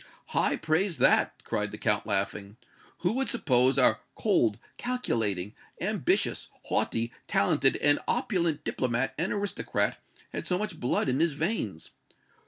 "High praise, that!" cried the Count, laughing. "Who would suppose our cold, calculating, ambitious, haughty, talented and opulent diplomat and aristocrat had so much blood in his veins?